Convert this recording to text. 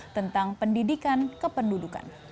tentang pendidikan kependudukan